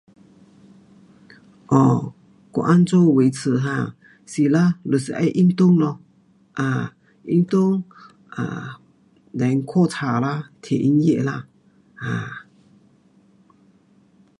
um 我怎样维持 um 是咯就是要运动，um 运动咯。[um]then 看书啦，听音乐啦。um